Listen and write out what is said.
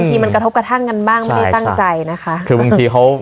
ทีมันกระทบกระทั่งกันบ้างไม่ได้ตั้งใจนะคะคือบางทีเขา